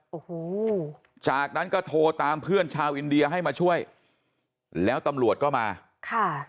โอ้โหจากนั้นก็โทรตามเพื่อนชาวอินเดียให้มาช่วยแล้วตำรวจก็มาค่ะ